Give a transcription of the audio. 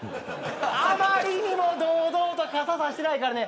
あまりにも堂々と傘差してないからね。